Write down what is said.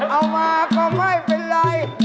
เอามาก็ไม่เป็นไร